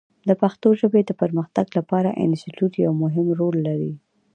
د پښتو ژبې د پرمختګ لپاره انسټیټوت یو مهم رول لري.